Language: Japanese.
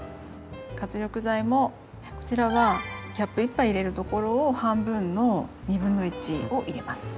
活力剤もこちらはキャップ１杯入れるところを半分の1/2を入れます。